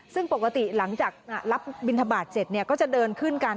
ซึ่งปกติหลังจากรับบินทบาทเสร็จก็จะเดินขึ้นกัน